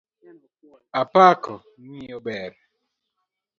Apako ng'iyo ber.